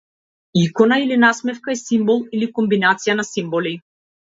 Икона или насмевка е симбол или комбинација на симболи.